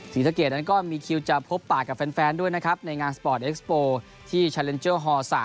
ศรีสะเกดนั้นก็มีคิวจะพบปากกับแฟนด้วยนะครับในงานสปอร์ตเอ็กซ์โปร์ที่ชาเลนเจอร์ฮ๓